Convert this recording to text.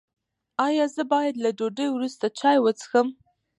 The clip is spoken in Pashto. ایا زه باید له ډوډۍ وروسته چای وڅښم؟